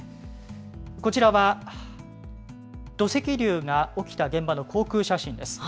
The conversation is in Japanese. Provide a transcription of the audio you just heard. こちらは土石流が起きた現場の航空写真です。